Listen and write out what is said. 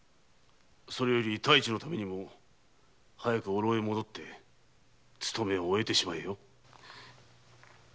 それより太一のためにも早くお牢へ戻ってツトメを終えてしまえよ。